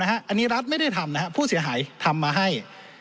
อันนี้รัฐไม่ได้ทำนะครับผู้เสียหายทำมาให้